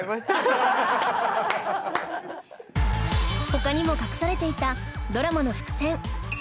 他にも隠されていたドラマの伏線